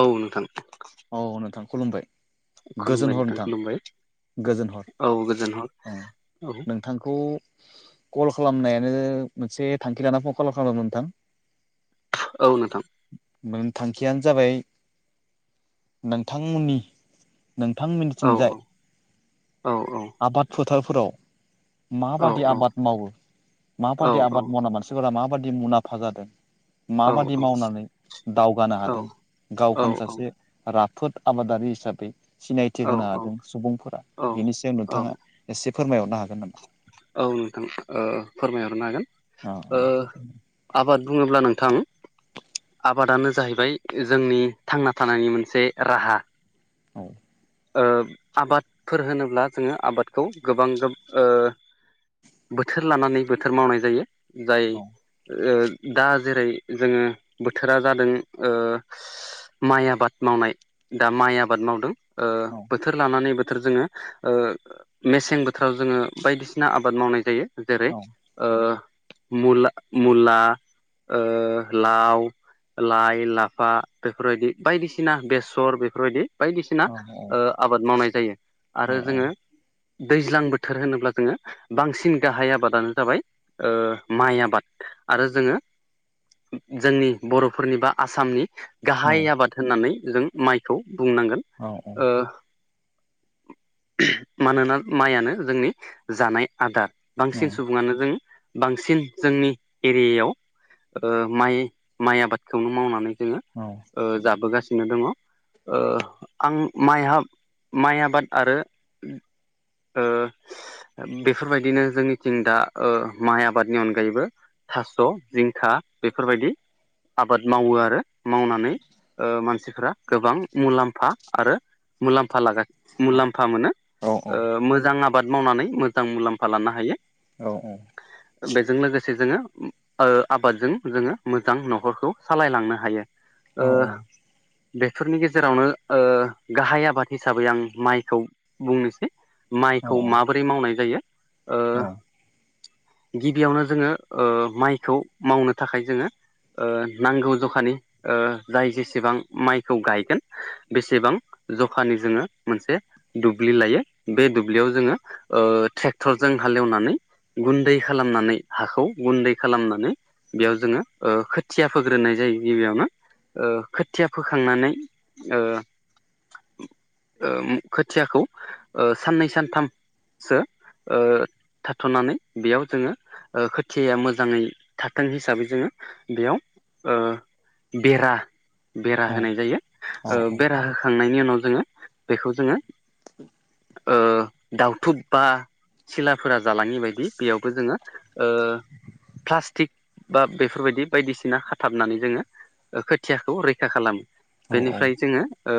औ नोंथां औ नोंथां खुलुमबाय गोजोन खुलुमबाय हर नोंथां खुलुमबाय गोजोन हर औ गोजोन हर औ नोंथांखौ कल खालामनायानो मोनसे थांखि लानानानै फन कल खालामदों नोंथां औ नोंथां मोन थांखियानो जाबाय नोंथांमोननि औ नोंथांमोननिथिंजाय औ औ आबाद फोथारफोराव औ माबादि औ आबाद मावो औ माबादि आबाद मावना मानसि फोरा माबादि मुलाम्फा जादों औ माबादि मावनानै दावगानो औ हादों गावखौनो सासे राफोद आबादारि हिसाबै सिनायथि होनो हादों सुबुंफोरा औ बेनि सायाव नों औ थाङा एसे फोरमायहरनो हागोन नामा औ नोंथां ओ फोरमायहरनो हागोन औ ओ आबाद बुङोब्ला नोंथां आबादानो जाहैबाय जोंनि थांना थानायनि मोनसे राहा औ ओ आबादफोर होनोब्ला जोंङो आबादखौ गोबां ओ बोथोर लानानै बोथोर मावनाय जायो जाय औ ओ दा जेरै जोंङो बोथोरा जादों ओ माइ आबाद मावनाय दा माइ आबाद मावदों ओ औ बोथोर लानानै बोथोर जोंङो ओ मेसें बोथोराव जोंङो बायदिसिना आबाद मावनाय जायो जेरै औ औ ओ मुला-मुला ओ लाव लाइ लाफा बेफोरबायदि बायदिसिना बेसर बेफोरबायदि औ बायदिसिना औ ओ आबाद मावनाय जायो आरो जोंङो दैज्लां बोथोर होनोब्ला जोंङो बांसिन गाहाय आबादानो जाबाय ओ माइ आबाद आरो जोंङो जोंनि बर'फोरनि बा आसामनि गाहाय आबाद होननानै जों माइखौ बुंनांगोन ओ मानोना माइयानो जोंनि जानाय आदार बांसिन सुबुङानो जों बांसिन जोंनि एरियायाव ओ माइ माइ आबादखौनो मावनानै जोंङो औ ओ जाबोगासिनो दङो ओ आं माइ हाब माइ आबाद आरो ओ बेफोरबायदिनो जोंनिथिं दा ओ माइ आबादनि अनगायैबो थास' जिंखा बेफोरबायदि आबाद मावो आरो मावनानै ओ मानसिफ्रा गोबां मुलाम्फा आरो मुलामफा लागा मुलाम्फा मोनो ओ मोजां आ आबाद मावनानै मोजां मुलाम्फा लानो हायो। औ औ बेजों लोगोसे जोंङो अम ओ आबादजों जोङो मोजां न'खरखौ सालायलांनो हायो। ओ बेफोरनि गेजेरावनो ओ गाहाय आबाद हिसाबै आं माइखौ बुंनोसै माइखौ माबोरै मावनाय जायो? ओ गिबियावनो जोङो ओ माइखौ मावनो थाखाय जोङो ओ नांगौ जखानि ओ जाय जेसेबां माइखौ गायगोन बेसेबां जखानि जोङो मोनसे दुब्लि लायो बे दुब्लियाव जोङो ओ ट्रेक्टरजों हालेवनानै गुन्दै खालामनानै हाखौ गुन्दै खालामनानै बेयाव जोङो ओ खोथिया फोग्रोनाय जायो गिबियावनो ओ खोथिया फोखांनानै ओ ओम खोथियाखौ ओ साननै सानथाम- सो ओ थाथ'नानै बेयाव जोङो ओ खोथिया मोजाङै थाथों हिसाबै जोङो बेयाव ओ बेरा बेरा होनाय जायो। ओ बेरा होखांनायनि उनाव जोङो बेखौ जोङो औ [inaudible] ओ दाउथुब बा सिलाफोरा जालाङि बायदि बेयावबो जोङो ओ प्लास्टिक बा बेफोरबायदि बायदिसिना खाथाबनानै जोङो ओ खोथियाखौ रैखा खालामो। बेनिफ्राय जोङो ओ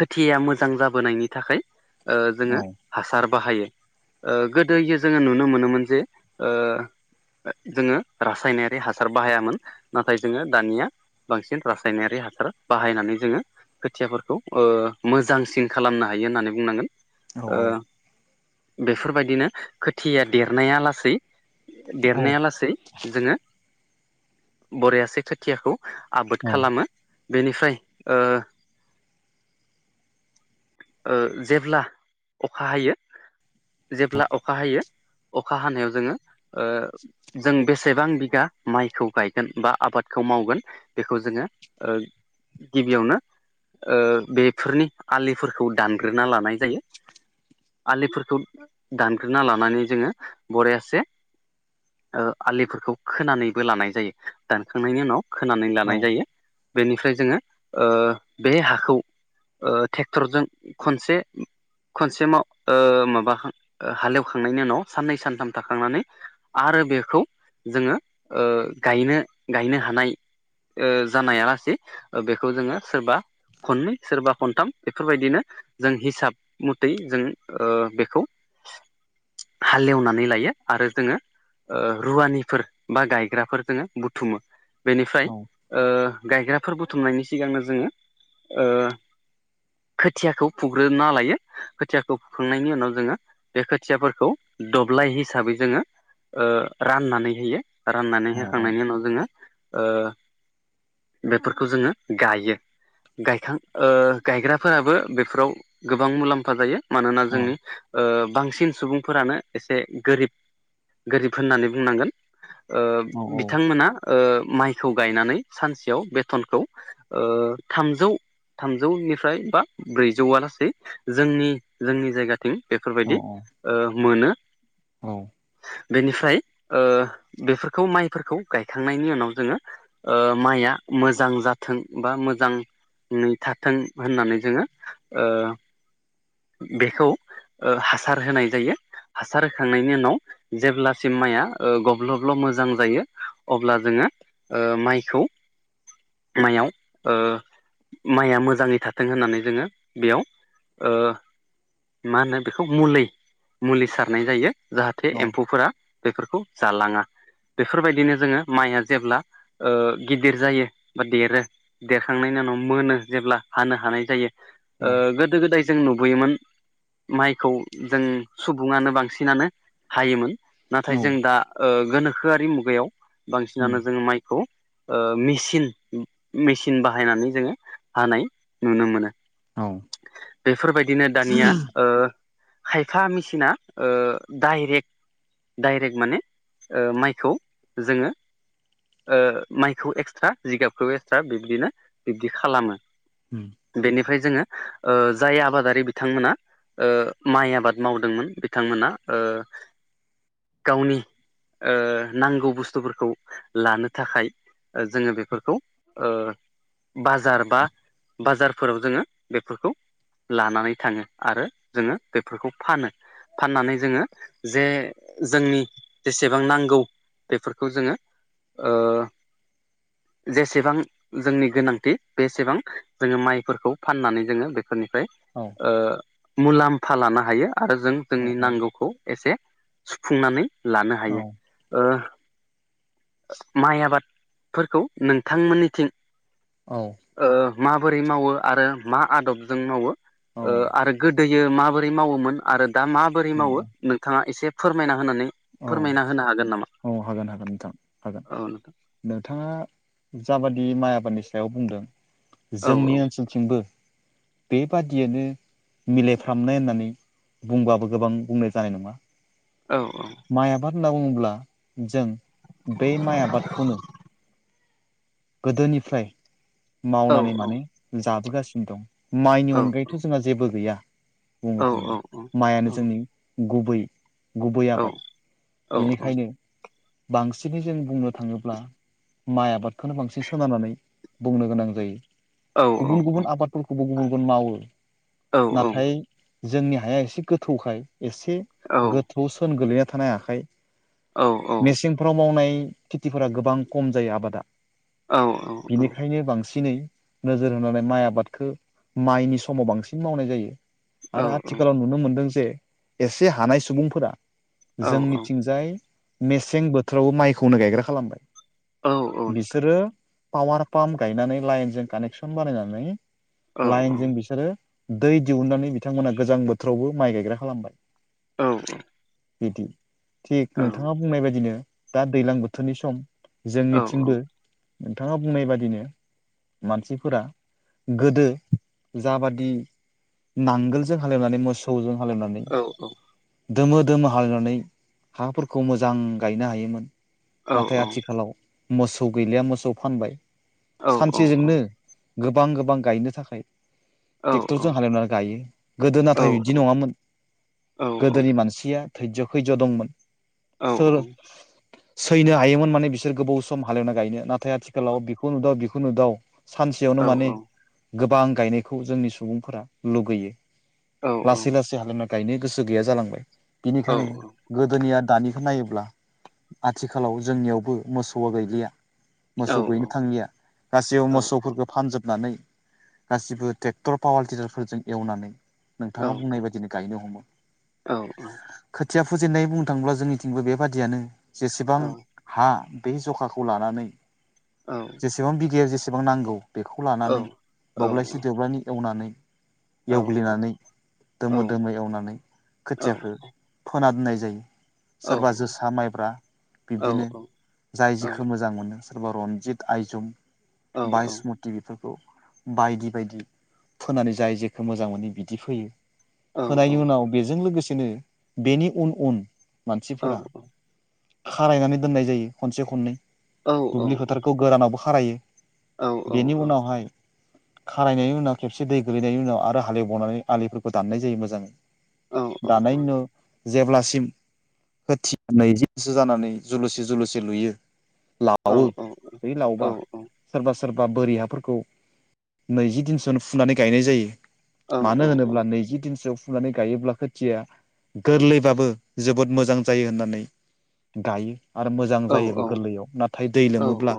खोथिया मोजां जाबोनायनि थाखाय ओ जोङो हासार बाहायो। ओ गोदोयो जोङो नुनो मोनोमोन जे ओ जोङो रासायनारि हासार बाहायामोन नाथाय जोङो दानिया बांसिन रासायनारि हासार बाहायनानै जोङो खोथियाफोरखौ ओ मोजांसिन खालामनो हायो होननानै बुंनांगोन ओ बेफोरबायदिनो खोथिया देरनाया लासै देरनाया लासै जोङो बरायासे खोथियाखौ आबोद खालामो बेनिफ्राय ओ ओ जेब्ला अखा हायो जेब्ला अखा हायो अखा हानायाव जोङो ओ जों बेसेबां बिगा माइखौ गायगोन बा आबादखौ मावगोन बेखौ जोङो ओ गिबियावनो ओ बेफोरनि आलिफोरखौ दानग्रोना लानाय जायो। आलिफोरखौ दानग्रोना लानानै जोङो बरायासे ओ आलिफोरखौ खोनानैबो लानाय जायो दानखांनायनि उनाव खोनानै लानाय जायो बेनिफ्राय जोङो ओ बे हाखौ ओ ट्रेक्टरजों खनसे खनसेमाव ओ माबा हां-हालेवखांनायनि उनाव साननै सानथाम थाखांनानै आरो बेखौ जोङो ओ गायनो-गायनो हानाय ओ जानायालासि ओ बेखौ जोङो सोरबा खननै सोरबा खनथाम बेफोरबायदिनो जों हिसाब मथै जों ओ बेखौ हालेवनानै लायो आरो जोङो ओ रुवानिफोर बा गायग्राफोर जोङो बुथुमो औ बेनिफ्राय ओ गायग्राफोर बुथुमनायनि सिगांनो जोङो ओ खोथियाखौ फुग्रोना लायो खोथियाखौ फुखांनायनि उनाव जोङो बे खोथियाफोरखौ दब्लाय हिसाबै जोङो ओ राननानै होयो। राननानै औ होखांनायनि उनाव जोङो ओ बेफोरखौ जोङो गायो गायखां ओ गायग्रा फोराबो बेफोराव गोबां मुलाम्फा जायो मानोना जोंनि ओ बांसिन सुबुंफोरानो एसे गोरिब गोरिब होननानै बुंनांगोन ओ बिथांमोना ओ माइखौ गायनानै सानसेयाव बेथनखौ ओ थामजौ थामजौनिफ्राय बा ब्रैजौआ लासै जोंनि जोंनि जायगाथिं बेफोरबायदि ओ मोनो औ बेनिफ्राय ओ बेफोरखौ माइफोरखौ गायखांनायनि उनाव जोङो ओ माइया मोजां जाथों बा मोजाङै थाथों होननानै जोङो ओ बेखौ हासार होनाय जायो। हासार होखांनायनि उनाव जेब्लासिम माया ओ गब्लब्ल' मोजां जायो अब्ला जोङो ओ माइखौ माइयाव ओ माइया मोजाङै थाथों थों होननानै जोङो बेयाव ओ मा होनो बेखौ मुलै मुलि सारनाय जायो जाहाथे एम्फौफोरा बेफोरखौ जालाङा बेफोरबायदिनो जोङो माइया जेब्ला ओ गिदिर जायो बा देरो देखांनायनि उनाव मोनो जेब्ला हानो हानाय जायो ओ गोदो गोदाय जों नुबोयोमोन माइखौ जों सुबुङानो बांसिनानो हायोमोन नाथाय जों दा ओ गोनोखोआरि मुगायाव बांसिनानो जोङो माइखौ ओ मेसिन मेसिन बाहायनानै जोङो हानाय नुनो मोनो। औ बेफोरबायदिनो दानिया ओ खायफा मेसिना ओ डाइरेक्ट डाइरेक्ट माने ओ माइखौ जोङो ओ माइखौ एक्सट्रा जिगाबखौ एक्सट्रा बिब्दिनो बिबदि खालामो उम। बेनिफ्राय जोङो ओ जाय आबादारि बिथांमोना ओ माइ आबाद मावदोंमोन बिथांमोना ओ गावनि ओ नांगौ बुस्थुफोरखौ लानो थाखाय ओ जोङो बेफोरखौ ओ बाजार बा बाजारफोराव जोङो बेफोरखौ लानानै थाङो आरो जोङो बेफोरखौ फानो फाननानै जोङो जे जोंनि जेसेबां नांगौ बेफोरखौ जोङो ओ जेसेबां जोंनि गोनांथि बेसेबां जोङो माइफोरखौ फाननानै जोङो बेफोरनिफ्राय औ ओ मुलाम्फा लानो हायो आरो जों जोंनि नांगौखौ एसे सुफुंनानै लानो हायो। ओ माइ आबादफोरखौ नोंथांमोननिथिं औ ओ माबोरै मावो आरो मा आदबजों मावो आरो गोदोयो माबोरै मावोमोन आरो दा माब बोरै मावो नोंथाङा एसे फोरमायना होनानै फोरमायना होनो हागोन नामा हागोन हागोन नोंथां हागोन औ नोंथां नोंथाङा जाबादि माइ आबादनि सायाव बुंदों औ जोंनि ओनसोलथिंबो बेबादियनो मिलायफ्रामनाय होननानै बुंबाबो गोबां बुंनाय जानाय नङा औ औ माइ आबाद होनना बुङोब्ला जों बे माइ आबादखौनो गोदोनिफ्राय औ मावनानै माने जाबोगासिनो दं माइनि औ अनगायैथ' जोंहा जेबो गैया बुंनो औ औ थांदों माइानो जोंनि गुबै गुबै औ आबाद औ बेनिखायनो बांसिनै जों बुंनो थाङोब्ला माइ आबाद बेखौनो बांसिन सोननानै बुंनो गोनां जायो औ नोंथां औ गुबुन गुबुन आबादफोरखौबो गुबुन गुबुन मावो औ नाथाय जोंनि हाया एसे गोथौखाय एसे गोथौ सोन गोलैना थानाय आखाइ औ औ मेसेंफ्राव मावनाय खेथिफोरा गोबां खम जायो आबादा औ बिनिखायनो बांसिनै नोजोर होनानै माइ आबादखौ माइनि समाव बांसिन मावनाय जायो आरो आथिखालाव नुनो मोनदों जे एसे हानाय सुबुंफोरा जोंनिथिंजाय मेसें बोथोरावबो माइखौनो गायग्रा खालामबाय बिसोरो पावार पाम्प गायनानै लाइनजों कानेकसन बानायनानै लाइनजों बिसोरो दै दिहुननानै बिथांमोना गोजां बोथोरावबो माइ गायग्रा खालामबाय औ औ बिदि थिक नोंथाङा बुंनाय बायदिनो दा दैज्लां बोथोरनि सम जों थिंबो नोंथाङा बुंनाय बादिनो मानसिफोरा गोदो जाबादि नांगोलजों खालामनानै मोसौजों हालेवनानै औ दमो दोमो हालेवनानै हाफोरखौ मोजां गायनो हायोमोन औ नाथाय औ आथिखालाव मोसौ गैलिया मोसौ फानबाय सानसेजोंनो गोबां गोबां गायनो थाखाय ट्रेक्टरजों हालेवनानै गायो गोदो नाथाय बिदि नङामोन गोदोनि मानसिया थैज' खैज्य' दंमोन सोर सैनो हायोमोन माने बिसोर गोबाव सम हालेवना गायनो नाथाय आथिखालाव बेखौ नुदाव बेखौ नुदाव सानसेयावनो माने गोबां गायनायखौ जोंनि सुबुंफोरा लुगैयो लासै लासै हालेवना गायनो गोसो गैया जालांबाय बिनिखायनो गोदोनिया दानिखौो नायोब्ला आथिखालाव जोंनियावबो मोसौ मोसौआ गैलिया मोसौ गैनो थांलिया गासैबो मोसौफोरखौ फानजोबनानै गासिबो ट्रेक्टर पावार टिलारफोरजों एवनानै नोंथाङा बुंनाय बाददिनो गायनो हमो खोथिया फोजेननाय बुंनो थाङोब्ला जोंनिथिंबो बेबादियानो जेसेबां हा बे जखाखौ लानानै औ जेसेबां बिगयेर जेसेबां नांगौ बेखौ लानानै दब्लायसे देब्लायनि एवनानै एवग्लिनानै दोमो दोमो एवनानै खोथियाखौ फोना दोननाय जायो सोरबा जोसा माइब्रा बिब्दिनो जाय जिखौ मोजां मोनो सोरबा रनजित आइजम बा स्मुत बेफोरखौ बायदि बायदि फोननानै जाय जेखौ मोजां मोनो बिदि फैयो होनायनि उनाव बेजों लोगोसेनो बेनि उन उन मानसिफोरा खारायनानै दोननाय जायो खनसे खननै दुब्लि फोथारखौ गोरानावबो खारायो बेनि उनावहाय खारायनायनि उनाव खेबसे दै गोलैनायनि उनाव आरो हालेवबावनानै आलिफोरखौ दान्नाय जायो मोजाङै। दानायनि उनाव जेब्लासिम होथिनानै [unintelligible] सो जानानै जुलुसे जुलुसे लुयो लावो बे लावबा सोरबा सो सोरबा बोरि हाफोरखौ नैजि दिनसनो फुनानै गायनाय जायो। मानो होनोब्ला नैजि दिनसो फुनानै गायोब्ला खोथिया गोरलैबाबो जोबोद मोजां जायो होननानै गायो आरो मोजां जायोबो गोरलैयाव नाथाय दै लोमोब्ला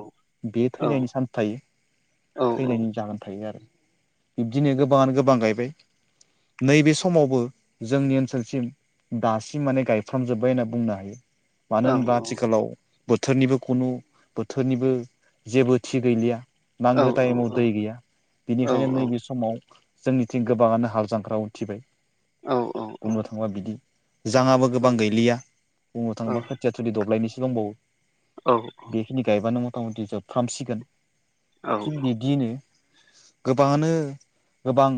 बे थैनायनि सान्स थायो। थैनायनि जाहोन थायो आरो बिब्दिनो गोबाङानो गोबां गायबाय नैबे समावबो जोंनि ओनसोलसिम दासिम माने गायफ्रामजोब्बाय होनना बुंनो हायो। मानो होनबा आथिखालाव बोथोरनिबो खुनु बोथोरनिबो जेबो थि गैलिया नांगो टाइमाव दै गैया बिनिखायनो नैबे समाव जोंनिथिं गोबाङानो हाल जांग्रा उथिबाय बुंनो थाङोबा बिदि जाहाबो गोबां गैलिया बुंनो औ थाङोबा खोथिया थिलि दब्लायनैसो दंबावो। औ खिनि गायबानो मथा मथि जोबफ्रामसिगोन औ थिग बिब्दिनो गोबाङानो गोबां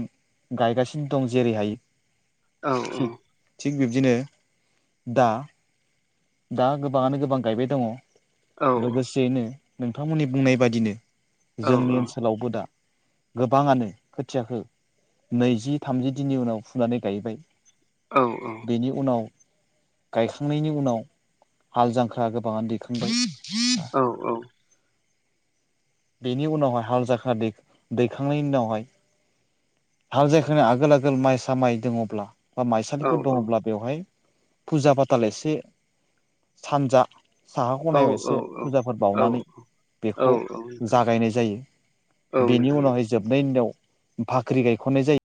गायगासिनो दं जेरैहायो औ थिग थिग बिब्दिनो दा दा गोबाङानो गोबां गायबाय दङ औ लोगोसेयैनो नोंथांमोननि बुंनाय बादिनो औ जोंनि ओनसोलावबो दा गोबाङानो खोथियाखौ नैजि थामजि दिननि उनाव फुनानै गायबाय औ औ बेनि उनाव गायखांनायनि उनाव हाल जांख्रा गोबाङानो दैखांबाय औ औ बेनि उनावहाय हाल जांख्रा दै दैखांनायनि उनावहाय हाल जांख्रानि आगोल आगोल माइसा माय दङब्ला बा माइसालिफोर दङब्ला बेवहाय फुजा फाथाल एसे सानजा साहा खनायाव एसे फुजाफोर बावनानै औ बेखौ जागायनाय औ जायो बेनि नोंथां उनावहाय जोबनायनि उनाव फाख्रि गायखननाय जायो।